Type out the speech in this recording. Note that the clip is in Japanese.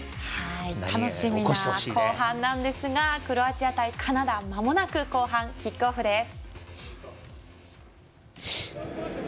楽しみな後半なんですがクロアチア対カナダ後半、まもなくキックオフです。